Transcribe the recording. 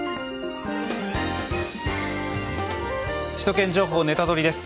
「首都圏情報ネタドリ！」です。